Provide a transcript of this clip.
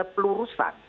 itu ada pelurusan